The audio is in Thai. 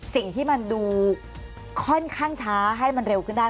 สิ่งที่มันดูค่อนข้างช้าให้มันเร็วขึ้นได้